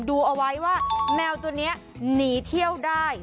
ดูเอาไว้ว่าแมวตัวนี้หนีเที่ยวได้